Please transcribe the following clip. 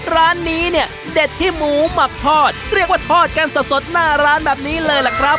ร้านนี้เนี่ยเด็ดที่หมูหมักทอดเรียกว่าทอดกันสดสดหน้าร้านแบบนี้เลยล่ะครับ